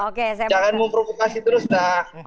oke jangan memprovokasi terus nak